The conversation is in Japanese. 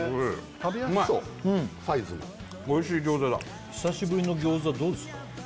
食べやすそうおいしい餃子だ久しぶりの餃子どうですか？